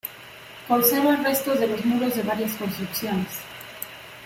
Conserva restos de los muros de varias construcciones.